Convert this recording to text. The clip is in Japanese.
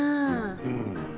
うん。